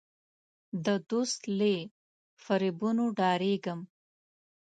د دوست له فریبونو ډارېږم.